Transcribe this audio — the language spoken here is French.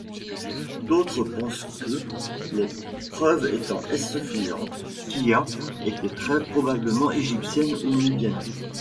D'autres pensent que, les preuves étant insuffisantes, Kiya était très probablement égyptienne ou nubienne.